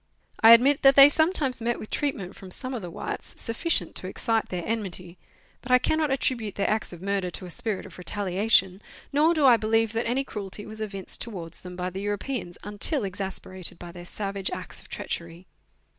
I admit that they some times met with treatment from some of the whites sufficient to excite their enmity, but I cannot attribute their acts of murder to a spirit of retaliation, nor do I believe that any cruelty was evinced towards them by the Europeans until exasperated by their savage acts of treachery.